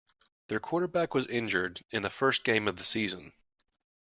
Their quarterback was injured in the first game of the season.